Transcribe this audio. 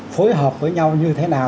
phối hợp với nhau như thế nào